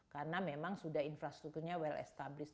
karena memang sudah infrastrukturnya well established